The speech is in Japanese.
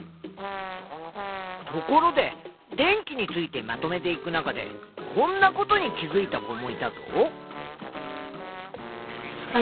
ところで電気についてまとめていく中でこんなことに気づいた子もいたぞ。